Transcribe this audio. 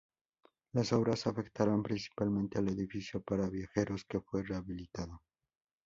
Las obras afectaron principalmente al edificio para viajeros que fue rehabilitado.